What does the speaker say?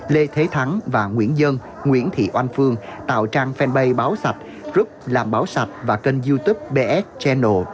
lê thế thắng và nguyễn dân nguyễn thị oanh phương tạo trang fanpage báo sạch group làm báo sạch và kênh youtube bs channel